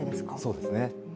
そうですね